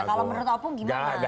kalau menurut opung gimana